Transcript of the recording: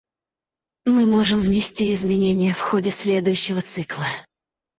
Мы можем внести изменение в ходе следующего цикла.